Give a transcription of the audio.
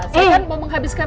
saya kan mau menghabiskan